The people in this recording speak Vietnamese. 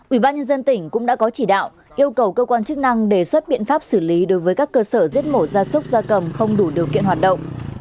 ubnd tỉnh cũng đã có chỉ đạo yêu cầu cơ quan chức năng đề xuất biện pháp xử lý đối với các cơ sở giết mổ ra súc ra cầm không đủ điều kiện hoạt động